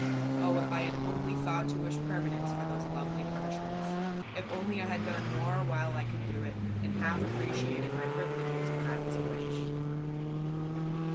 Oh, if I had only thought to wish permanence for those lovely punishments! If only I had done more while I could do it, had half appreciated my privileges when I was a Witch!